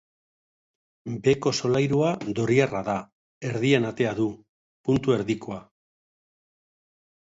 Beheko solairua doriarra da, erdian atea du, puntu erdikoa.